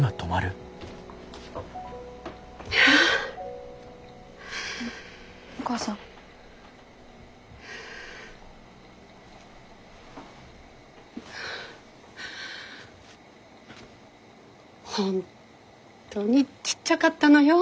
本当にちっちゃかったのよ。